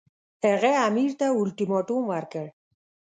هغه امیر ته اولټیماټوم ورکړ.